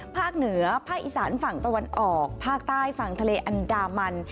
ภาคเหนือภาคอีสานฝั่งตะวันออกภาคใต้ฝั่งทะเลอันดามัน